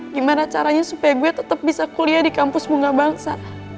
gimana caranya supaya gue tetap bisa kuliah di kampus bunga bangsa